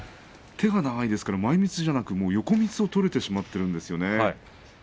手が長いですから前みつじゃなく横みつが取れてしまってるんですよね。